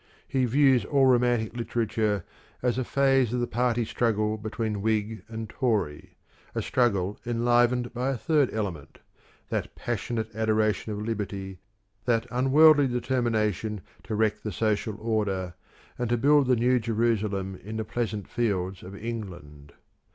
He views all romantic literature as a phase of the party struggle between Whig and Tory, a struggle enlivened by a third element, that passionate adoration of Liberty, that unworldly determination to wreck the social order, and to build the New Jerusalem in the pleasant fields of England.